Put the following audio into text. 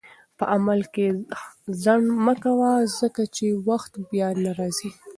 په عمل کې ځنډ مه کوه، ځکه چې وخت بیا نه راځي.